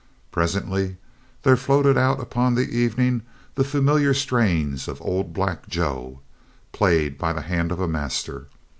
Presently there floated out upon the evening the familiar strains of "Old Black Joe" played by the hand of a master.